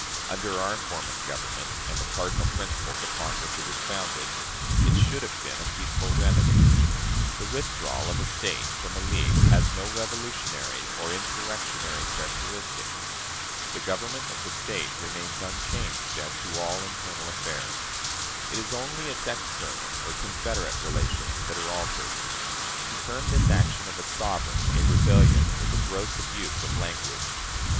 Under our form of government, and the cardinal principles upon which it was founded, it should have been a peaceful remedy. The withdrawal of a State from a league has no revolutionary or insurrectionary characteristic. The government of the State remains unchanged as to all internal affairs. It is only its external or confederate relations that are altered. To term this action of a sovereign a "rebellion," is a gross abuse of language.